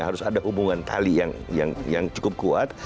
harus ada hubungan tali yang cukup kuat